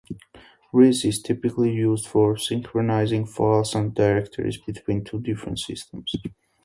Rsync is typically used for synchronizing files and directories between two different systems.